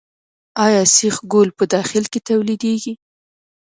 آیا سیخ ګول په داخل کې تولیدیږي؟